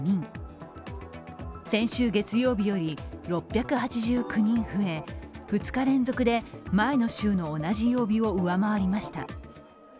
先週月曜日より６８９人増え、２日連続で前の週の同じ曜日を上回りました。